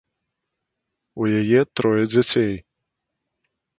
У яе трое дзяцей.